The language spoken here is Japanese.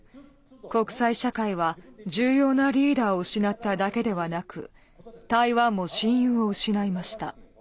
国際社会は重要なリーダーを失っただけではなく、台湾も親友を失いました。